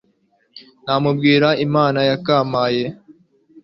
Namubwira Imana ko yampaye,